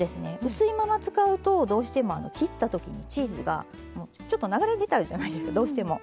薄いまま使うとどうしても切った時にチーズがちょっと流れ出ちゃうじゃないですかどうしても。